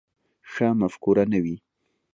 ښه مفکوره نه وي.